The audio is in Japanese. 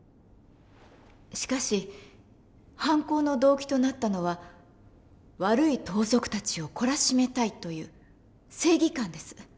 しかし犯行の動機となったのは悪い盗賊たちを懲らしめたいという正義感です。